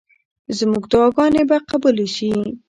زموږ دعاګانې به قبولې شي.